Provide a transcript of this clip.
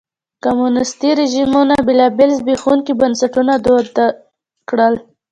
کمونیستي رژیمونو بېلابېل زبېښونکي بنسټونه دود کړل.